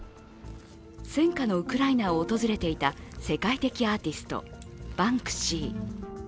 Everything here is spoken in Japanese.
戦火のウクライナを訪れていた世界的アーティスト、バンクシー。